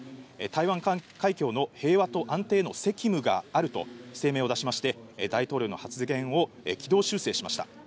台湾海峡の平和と安定への責務があると声明を出しまして、大統領の発言を軌道修正しました。